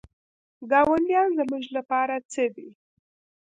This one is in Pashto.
ګاونډیان زموږ لپاره څه دي؟